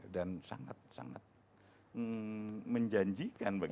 dan sangat sangat menjanjikan begitu